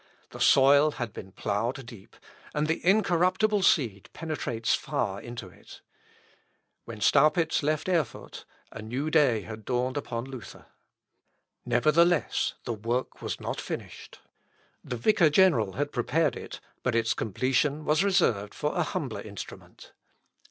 The soil had been ploughed deep, and the incorruptible seed penetrates far into it. When Staupitz left Erfurt, a new day had dawned upon Luther. Seckendorf, p. 52. Nevertheless, the work was not finished. The vicar general had prepared it, but its completion was reserved for a humbler instrument.